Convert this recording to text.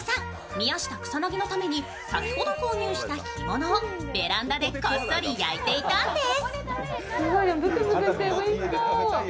宮下草薙のために先ほど購入した干物をベランダでこっそり焼いていたんです。